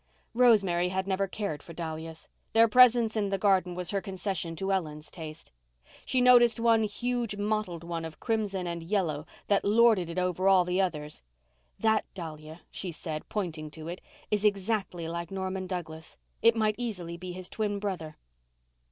Rosemary had never cared for dahlias. Their presence in the garden was her concession to Ellen's taste. She noticed one huge mottled one of crimson and yellow that lorded it over all the others. "That dahlia," she said, pointing to it, "is exactly like Norman Douglas. It might easily be his twin brother."